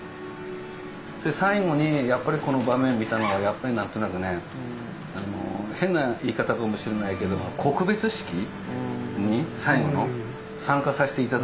最後にやっぱりこの場面を見たのはやっぱりなんとなくねあの変な言い方かもしれないけども告別式に最後の参加させて頂いたという感じがしてね。